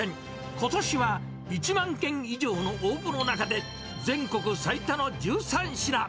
ことしは１万件以上の応募の中で全国最多の１３品。